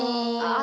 あ。